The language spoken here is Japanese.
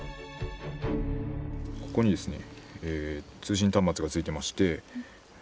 ここにですね